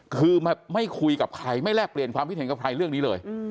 คือไม่คุยกับใครไม่แลกเปลี่ยนความคิดเห็นกับใครเรื่องนี้เลย